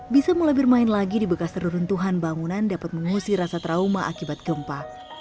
bisa melebih main lagi di bekas terdurun tuhan bangunan dapat mengungsi rasa trauma akibat gempa